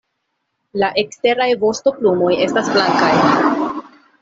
La eksteraj vostoplumoj estas blankaj.